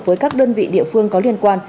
với các đơn vị địa phương có liên quan